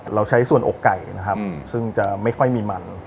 เราใช้ส่วนอกไก่นะครับซึ่งจะไม่ค่อยมีมัน